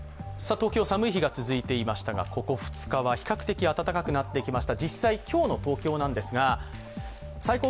東京、寒い日が続いていましたがここ２日は比較的暖かくなってきました。